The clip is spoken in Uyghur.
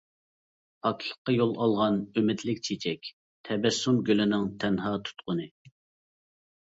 پاكلىققا يول ئالغان ئۈمىدلىك چېچەك، تەبەسسۇم گۈلىنىڭ تەنھا تۇتقۇنى.